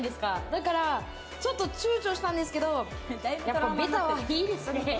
だからちょっとちゅうちょしたんですけれども、やっぱりベタはいいですね。